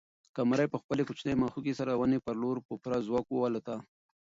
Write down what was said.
قمرۍ په خپلې کوچنۍ مښوکې سره د ونې پر لور په پوره ځواک والوته.